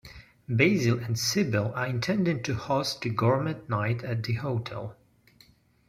Basil and Sybil are intending to host a gourmet night at the hotel.